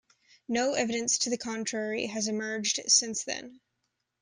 No evidence to the contrary has emerged since then.